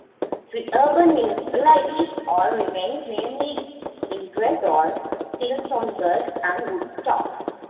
Three urban municipalities also remained, namely Ingersoll, Tillsonburg and Woodstock.